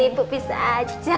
ibu bisa aja